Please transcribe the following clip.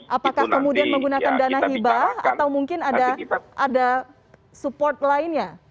apakah kemudian menggunakan dana hibah atau mungkin ada support lainnya